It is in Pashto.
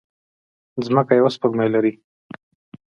ځمکه يوه سپوږمۍ لري